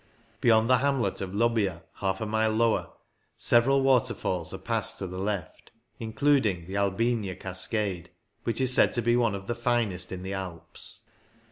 Beyond the hamlet of Lobbia, half a mile lower, several waterfalls are passed to the left, including the Albigna cascade, which is said to be one of the finest in the Alps.